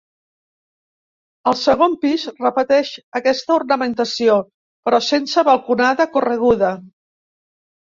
Al segon pis repeteix aquesta ornamentació, però sense balconada correguda.